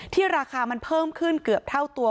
ราคามันเพิ่มขึ้นเกือบเท่าตัว